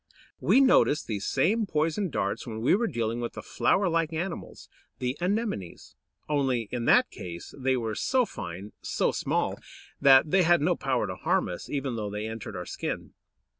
We noticed these same poison darts when we were dealing with the flower like animals, the Anemones. Only, in that case, they were so fine, so small, that they had no power to harm us, even though they entered our skin.